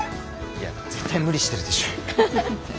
いや絶対無理してるでしょ。